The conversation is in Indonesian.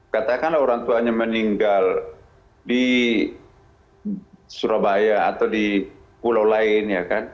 katakanlah orang tuanya meninggal di surabaya atau di pulau lain ya kan